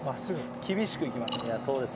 厳しくいきます。